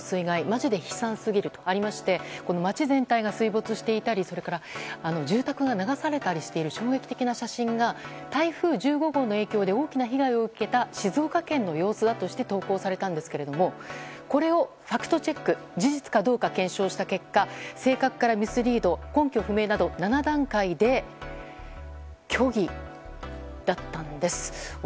マジで悲惨すぎる．．．」とありまして街全体が水没していたり住宅が流されたりしている衝撃的な写真が台風１５号の影響で大きな被害を受けた静岡県の様子だとして投稿されたんですがこれをファクトチェック事実かどうか検証した結果正確からミスリード根拠不明など７段階で虚偽だったんです。